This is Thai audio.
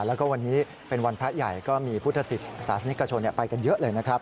แล้วก็วันนี้เป็นวันพระใหญ่ก็มีพุทธศาสนิกชนไปกันเยอะเลยนะครับ